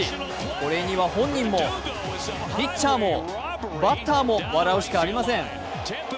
これには本人も、ピッチャーもバッターも笑うしかありません。